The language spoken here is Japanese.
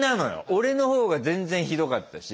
俺のほうが全然ひどかったし。